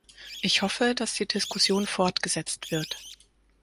Ich hoffe, dass die Diskussion fortgesetzt wird.